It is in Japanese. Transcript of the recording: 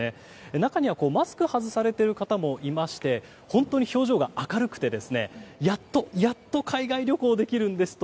中にはマスクを外されている方もいまして本当に表情が明るくてやっと、やっと海外旅行できるんですと